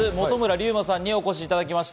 隆馬さんにお越しいただきました。